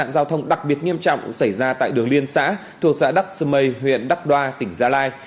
nạn giao thông đặc biệt nghiêm trọng xảy ra tại đường liên xã thuộc xã đắc sư mây huyện đắc đoa tỉnh gia lai